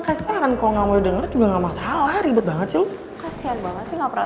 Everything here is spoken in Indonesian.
kasaran kalau nggak mau denger juga enggak masalah ribet banget sih kasian banget sih nggak pernah